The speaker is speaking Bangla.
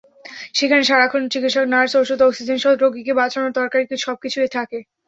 সেখানে সারাক্ষণ চিকিৎসক, নার্স, ওষুধ, অক্সিজেনসহ রোগীকে বাঁচানোর দরকারি সবকিছুই থাকে।